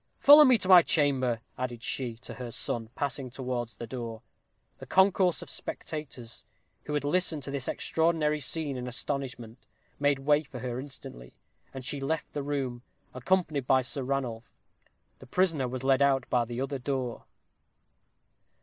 Follow me to my chamber," added she to her son, passing towards the door. The concourse of spectators, who had listened to this extraordinary scene in astonishment, made way for her instantly, and she left the room, accompanied by Ranulph. The prisoner was led out by the other door.